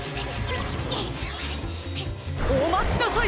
おまちなさい！